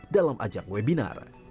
dalam ajang webinar